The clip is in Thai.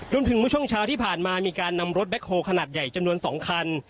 เมื่อช่วงเช้าที่ผ่านมามีการนำรถแบ็คโฮลขนาดใหญ่จำนวน๒คัน